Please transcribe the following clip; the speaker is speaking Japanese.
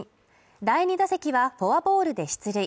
第２打席はフォアボールで出塁。